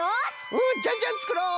うんじゃんじゃんつくろう！